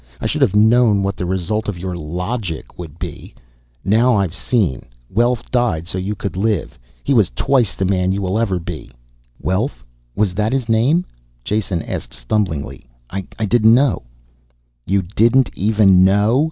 I should have known what the result of your 'logic' would be. Now I've seen. Welf died so you could live. He was twice the man you will ever be." "Welf? Was that his name?" Jason asked stumblingly. "I didn't know " "You didn't even know."